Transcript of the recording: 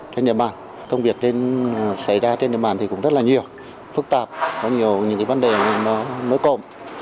trên địa bàn công việc xảy ra trên địa bàn cũng rất là nhiều phức tạp có nhiều vấn đề mới cộng